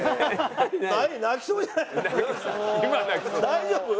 大丈夫？